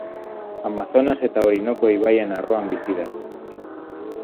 Amazonas eta Orinoko ibaien arroan bizi da.